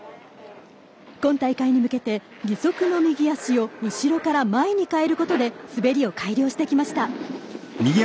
今大会に向けて義足の右足を後ろから前に変えることで滑りを改良してきました。